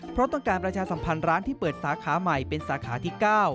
เพราะต้องการประชาสัมพันธ์ร้านที่เปิดสาขาใหม่เป็นสาขาที่๙